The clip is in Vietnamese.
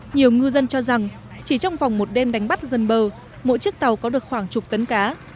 nhiều ngư dân cho rằng chỉ trong vòng một đêm đánh bắt gần bờ mỗi chiếc tàu có được khoảng chục tấn cá